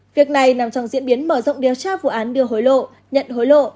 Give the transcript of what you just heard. việc này nằm trong diễn biến mở rộng điều tra vụ án đưa hối lộ nhận hối lộ